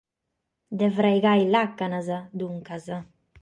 De fraigare làcanas, duncas.